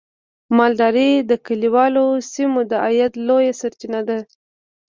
مالداري د کليوالو سیمو د عاید لویه سرچینه ده.